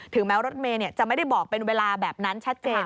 แม้รถเมย์จะไม่ได้บอกเป็นเวลาแบบนั้นชัดเจน